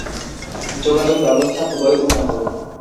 যোগাযোগ ব্যবস্থা খুবই উন্নত।